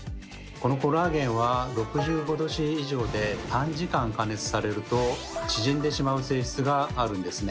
このコラーゲンは６５℃以上で短時間加熱されると縮んでしまう性質があるんですね。